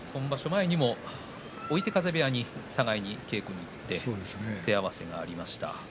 前にも追手風部屋に互いに稽古に行って手合わせがありました。